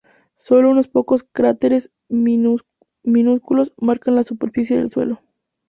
Sólo unos pocos cráteres minúsculos marcan la superficie del suelo.